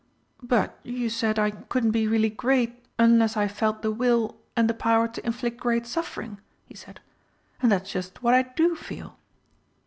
"But you said I couldn't be really great unless I felt the will and the power to inflict great suffering," he said; "and that's just what I do feel."